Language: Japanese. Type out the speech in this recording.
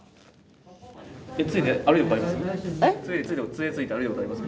つえで歩いたことあります？